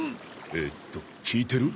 えーっと聞いてる？